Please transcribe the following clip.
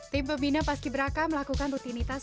tim pembina paski beraka melakukan rutinitas